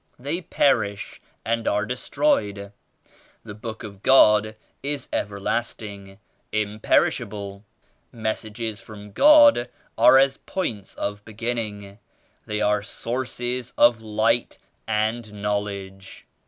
They perish and are destroyed. The Book of God is everlasting, imperishable. Messages from God are as points of beginning. They are Sources of Light and Knowledge."